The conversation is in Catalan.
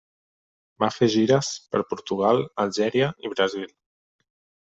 Va fer gires per Portugal, Algèria, i Brasil.